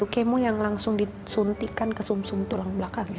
kemoh yang langsung disuntikan ke sum sum tulang belakang